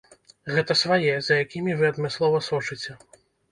Гэта свае, за якімі вы адмыслова сочыце.